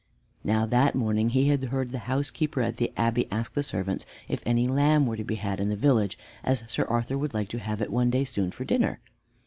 Now that morning he had heard the housekeeper at the Abbey ask the servants if any lamb were to be had in the village, as Sir Arthur would like to have it one day soon for dinner.